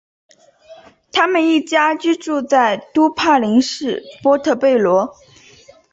他们一家居住在都柏林市波特贝罗。